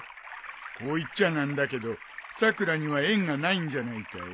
こう言っちゃ何だけどさくらには縁がないんじゃないかい？